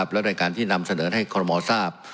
และโดยการที่นำเสนอให้คอลโมทราบ